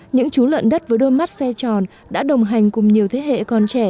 những chú lợn đất với đôi mắt xe tròn đã đồng hành cùng nhiều thế hệ con trẻ